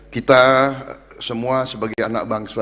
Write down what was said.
kita semua sebagai anak bangsa